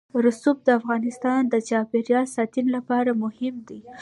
رسوب د افغانستان د چاپیریال ساتنې لپاره مهم دي.